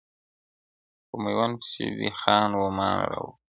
په میوند پسې دې خان و مان را ووت -